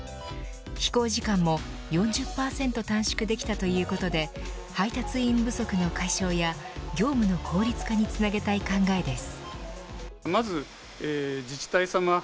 飛行時間も４０％短縮できたということで配達員不足の解消や業務の効率化につなげたい考えです。